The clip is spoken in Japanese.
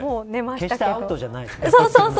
決してアウトじゃないんですよね。